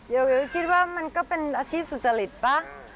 คิดว่ามันก็เป็นอาชีพสุจริตป่ะ